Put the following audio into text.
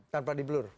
tanpa di blur